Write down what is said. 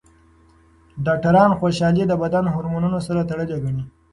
ډاکټران خوشحالي د بدن هورمونونو سره تړلې ګڼي.